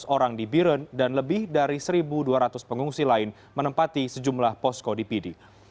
satu tiga ratus orang di biren dan lebih dari satu dua ratus pengungsi lain menempati sejumlah posko di pd